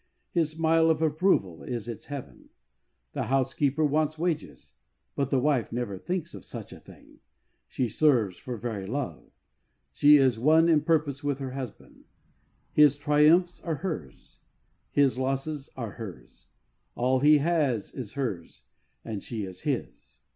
His smile of approval is its heaven. The housekeeper wants wages, but the wife never thinks of such a thing. She serves for very love. She is one in purpose with her husband. His triumphs are hers. His losses are hers. All he has is hers and she is his.